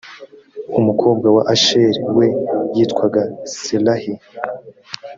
umukobwa wa asheri we yitwaga serahi.